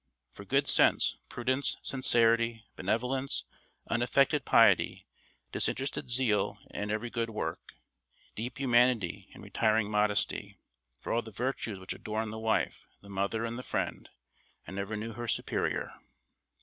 For good sense, prudence, sincerity, benevolence, unaffected piety, disinterested zeal in every good work, deep humanity and retiring modesty for all the virtues which adorn the wife, the mother, and the friend I never knew her superior."